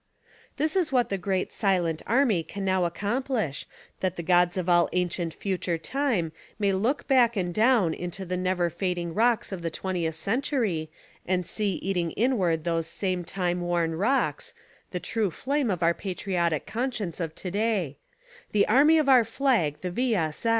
This is what the great "silent army" can now accomplish, that the gods of all ancient future time may look back and down into the never fading rocks of tlhe 20th century and see eating inward those same time worn rocks, the true flame of our patriotic conscience of today : "The army of our flag, the V.